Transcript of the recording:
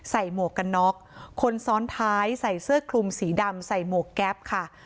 หมวกกันน็อกคนซ้อนท้ายใส่เสื้อคลุมสีดำใส่หมวกแก๊ปค่ะ